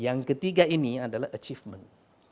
yang ketiga ini adalah achievement